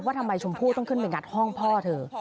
ทำไมชมพู่ต้องขึ้นไปงัดห้องพ่อเธอ